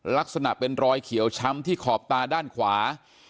ลักษณะเป็นรอยเขียวช้ำที่ขอบตาด้านขวา